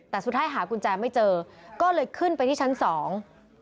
แต่สุดท้ายหากุญแจไม่เจอก็เลยขึ้นไปที่ชั้นสอง